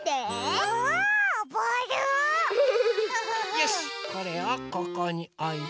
よしこれをここにおいて。